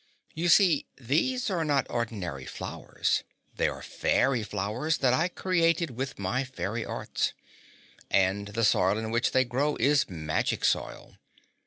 "You see, these are not ordinary flowers. They are fairy flowers that I created with my fairy arts. And the soil in which they grow is magic soil.